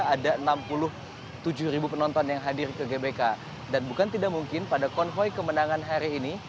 ada enam puluh tujuh ribu penonton yang hadir ke gbk dan bukan tidak mungkin pada konvoy kemenangan hari ini